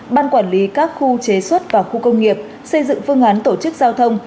ban quản lý các khu chế xuất và khu công nghiệp xây dựng phương án tổ chức giao thông